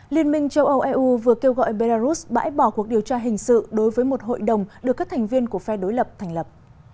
liên minh châu âu eu vừa kêu gọi belarus bãi bỏ cuộc điều tra hình sự đối với một hội đồng được các thành viên của phe đối lập thành lập